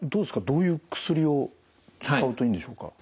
どういう薬を使うといいんでしょうか？